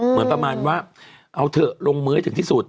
เหมือนประมาณว่าเอาเถอะลงมือให้ถึงที่สุด